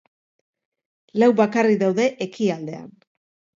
Lau bakarrik daude ekialdean.